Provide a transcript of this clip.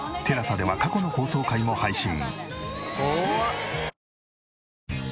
ＴＥＬＡＳＡでは過去の放送回も配信。